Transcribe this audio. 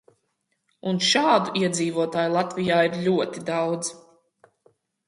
Un šādu iedzīvotāju Latvijā ir ļoti daudz.